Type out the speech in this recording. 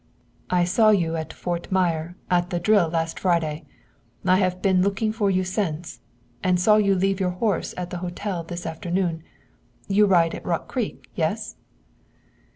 "I saw you at Fort Myer at the drill last Friday. I have been looking for you since, and saw you leave your horse at the hotel this afternoon. You ride at Rock Creek yes?"